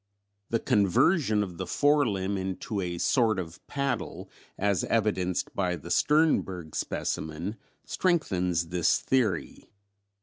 The conversion of the fore limb into a sort of paddle, as evidenced by the Sternberg specimen, strengthens this theory.